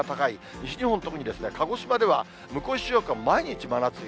西日本、特に鹿児島では向こう１週間、毎日真夏日。